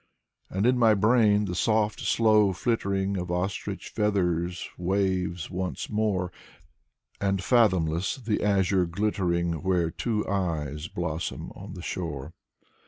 And in my brain the soft slow flittering Of ostrich feathers waves once more; And fathomless the azure glittering Where two eyes blossom on the shore.